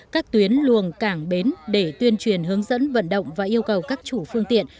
các tuyến luồng cảng bến để tuyên truyền hướng dẫn vận động và yêu cầu các chủ phương tiện